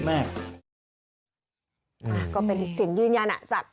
ก็เป็นเสียงยืนยันอ่ะจาก